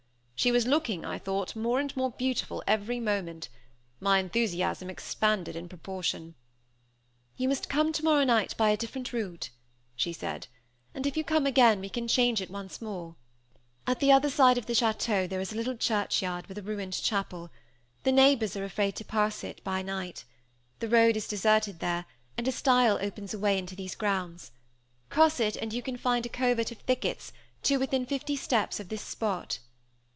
She was looking, I thought, more and more beautiful every moment. My enthusiasm expanded in proportion. "You must come tomorrow night by a different route," she said; "and if you come again, we can change it once more. At the other side of the château there is a little churchyard, with a ruined chapel. The neighbors are afraid to pass it by night. The road is deserted there, and a stile opens a way into these grounds. Cross it and you can find a covert of thickets, to within fifty steps of this spot."